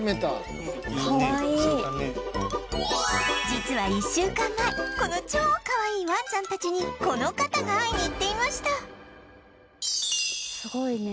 実は１週間前この超かわいいワンちゃんたちにこの方が会いに行っていました